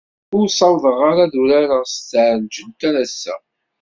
Ur ssawḍeɣ ara ad urareɣ s tɛelǧet ar ass-a.